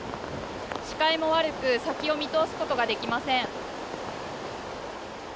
視界も悪く先を見通すことができません。